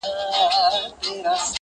د هر ښار په جنایت کي به شامل وو .!